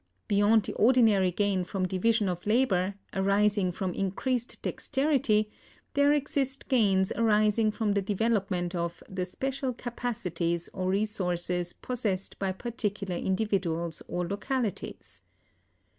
Beyond the ordinary gain from division of labor, arising from increased dexterity, there exist gains arising from the development of "the special capacities or resources possessed by particular individuals or localities."